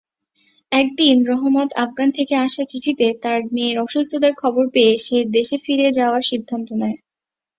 একদিন রহমত আফগান থেকে আসা চিঠিতে তার মেয়ের অসুস্থতার খবর পেয়ে সে দেশে ফিরে যাওয়ার সিদ্ধান্ত নেয়।